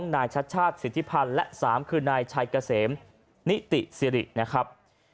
นายชัดชาติสิทธิพันธ์และ๓คือนายชัยเกษมนิติสิรินะครับ